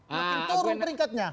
makin turun peringkatnya